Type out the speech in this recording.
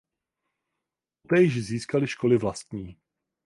Poté již získaly školy vlastní.